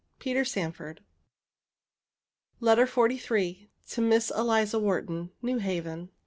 PETER SANFORD. LETTER XLIII. TO MISS ELIZA WHARTON. NEW HAVEN.